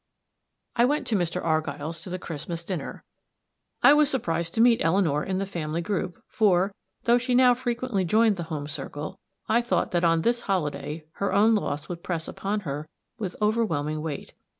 I went to Mr. Argyll's to the Christmas dinner. I was surprised to meet Eleanor in the family group; for, though she now frequently joined the home circle, I thought that on this holiday her own loss would press upon her with overwhelming weight.